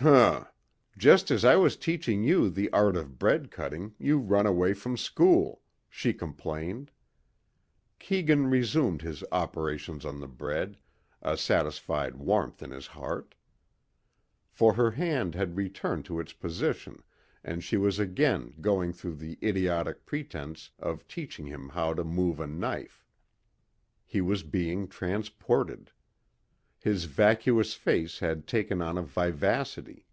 "Hm! Just as I was teaching you the art of bread cutting you run away from school," she complained. Keegan resumed his operations on the bread, a satisfied warmth in his heart. For her hand had returned to its position and she was again going through the idiotic pretense of teaching him how to move a knife. He was being transported. His vacuous face had taken on a vivacity.